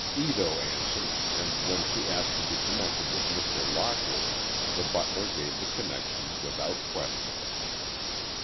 Ito answered and when she asked to be connected with Mr. Lockwood, the butler gave the connection without question.